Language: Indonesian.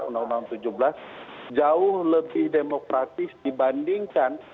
undang undang tujuh belas jauh lebih demokratis dibandingkan